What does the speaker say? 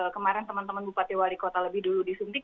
kemarin teman teman bupati wali kota lebih dulu disuntik